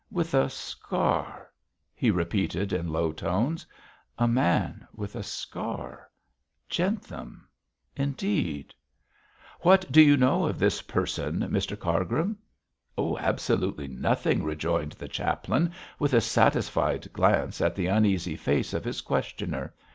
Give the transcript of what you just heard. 'With a scar,' he repeated in low tones. 'A man with a scar Jentham indeed! What do you know of this person, Mr Cargrim?' 'Absolutely nothing,' rejoined the chaplain, with a satisfied glance at the uneasy face of his questioner.